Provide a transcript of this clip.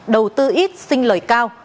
đầu tư ít xinh lời cao